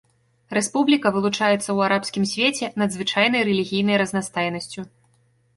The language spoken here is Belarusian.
Рэспубліка вылучаецца ў арабскім свеце надзвычайнай рэлігійнай разнастайнасцю.